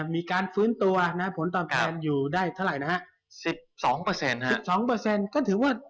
มีการฟื้นตัวผลต้นแพนอยู่ได้เท่าไร